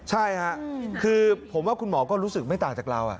ใช่ค่ะคือผมว่าคุณหมอก็รู้สึกไม่ต่างจากเรา